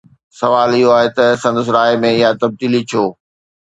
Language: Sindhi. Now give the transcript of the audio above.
سوال اهو آهي ته سندس راءِ ۾ اها تبديلي ڇو؟